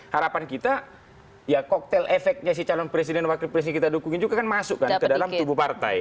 harapan kita ya koktel efeknya si calon presiden dan wakil presiden kita dukungin juga kan masuk kan ke dalam tubuh partai